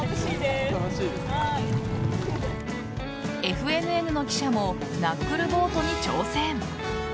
ＦＮＮの記者もナックルボートに挑戦。